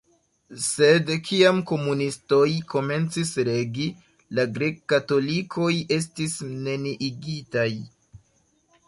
Sed kiam komunistoj komencis regi, la grek-katolikoj estis neniigitaj.